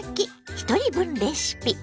ひとり分レシピ」。